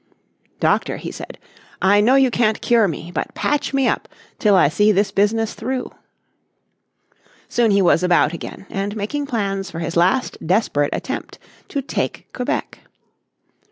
"Doctor," he said, "I know you can't cure me but patch me up till I see this business through." Soon he was about again, and making plans for his last desperate attempt to take Quebec.